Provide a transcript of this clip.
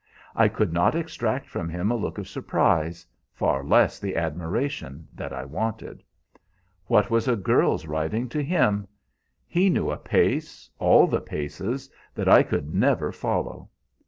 I could not extract from him a look of surprise, far less the admiration that I wanted. What was a girl's riding to him? He knew a pace all the paces that I could never follow.